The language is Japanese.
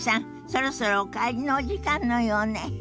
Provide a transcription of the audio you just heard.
そろそろお帰りのお時間のようね。